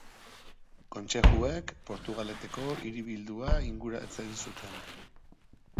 Kontzejuek Portugaleteko hiribildua inguratzen zuten.